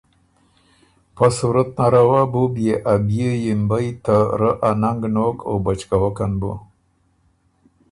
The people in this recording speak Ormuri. پۀ صورت نره وه بُو بيې ا بيې یِمبئ ته رۀ ا ننګ نوک او بچکوکن بُو۔